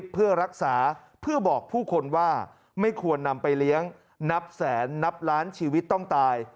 ผู้คนว่าไม่ควรนำไปเลี้ยงนับแสนนับล้านชีวิตต้องตาย